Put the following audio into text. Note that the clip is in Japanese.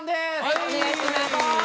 お願いします。